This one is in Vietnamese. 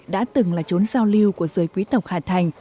đã từng là chốn giao lưu của giới quý tộc hà thành